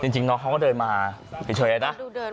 จริงน้องเขาก็เดินมาเฉยนะ